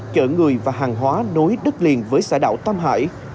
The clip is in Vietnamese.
chở người và hàng hóa nối đất liền với xã đảo tâm hỡi